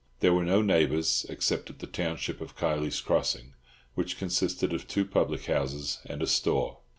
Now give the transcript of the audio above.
There were no neighbours except at the township of Kiley's Crossing, which consisted of two public houses and a store.